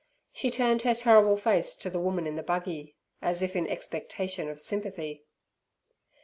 She turned her terrible face to the woman in the buggy, as if in expectation of sympathy.